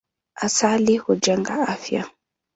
Asali hujenga afya.